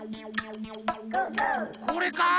これか？